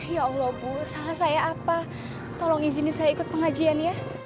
ya allah bu sama saya apa tolong izinin saya ikut pengajian ya